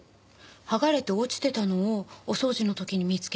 剥がれて落ちてたのをお掃除の時に見つけて。